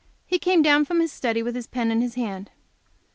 He came down from his study with his pen in his hand.